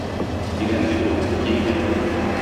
Тирән бит ул, киң бит ул.